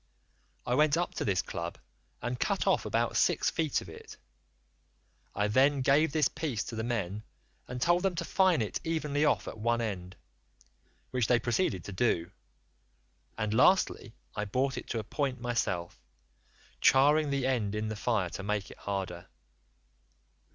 I went up to this club and cut off about six feet of it; I then gave this piece to the men and told them to fine it evenly off at one end, which they proceeded to do, and lastly I brought it to a point myself, charring the end in the fire to make it harder.